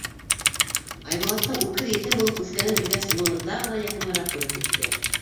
Айбулаттың үкһеҙ етем булып үҫкәнен белгәс, ул уны тағы ла яҡыныраҡ күреп китте.